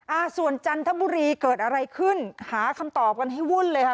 อ่าส่วนจันทบุรีเกิดอะไรขึ้นหาคำตอบกันให้วุ่นเลยค่ะ